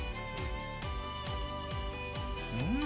うん！